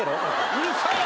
うるさいな！